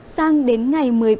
sáng đến ngày một mươi bốn